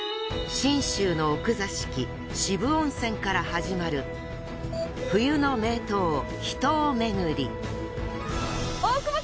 信州の奥座敷渋温泉から始まる冬の名湯・秘湯めぐり。